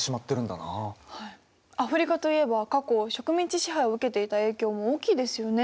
アフリカといえば過去植民地支配を受けていた影響も大きいですよね。